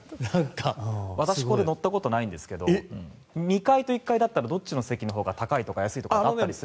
私、これ乗ったことがないんですが２階と１階だったらどっちのほうが高いとか安いとかあるんですか？